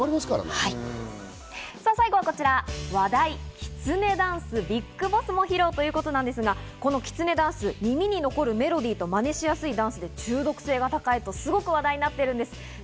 最後はこちら、話題、きつねダンス、ＢＩＧＢＯＳＳも披露ということなんですが、このきつねダンス、耳に残るメロディーとまねしやすい振り付けで中毒性が高いとすごく話題になっているんです。